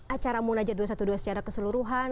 acara munajat dua ratus dua belas secara keseluruhan